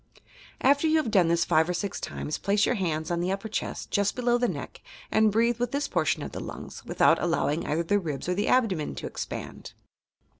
After you have done this five or six times, place your hands on the upper cheat, just bplow the neek, and breathe with this portion of the lungs, without allowing either the ribs or the abdomen to e.xpand.